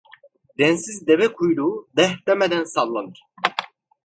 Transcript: Densiz deve kuyruğu, "deh!" demeden sallanır.